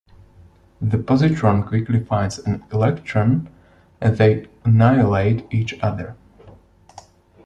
The positron quickly finds an electron, and they annihilate each other.